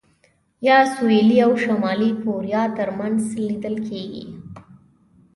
یا سوېلي او شمالي کوریا ترمنځ لیدل کېږي.